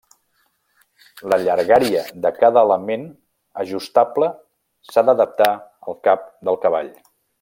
La llargària de cada element ajustable s'ha d'adaptar al cap del cavall.